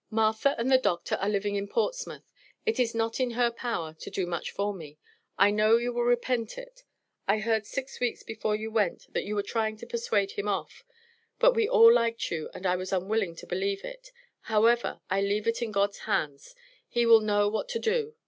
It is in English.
Martha and the Doctor are living in Portsmouth, it is not in her power to do much for me. I know you will repent it. I heard six weeks before you went, that you were trying to persuade him off but we all liked you, and I was unwilling to believe it however, I leave it in God's hands He will know what to do.